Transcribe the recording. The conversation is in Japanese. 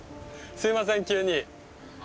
すみません急に。